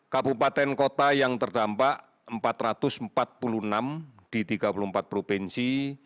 kabupaten kota yang terdampak empat ratus empat puluh enam di tiga puluh empat provinsi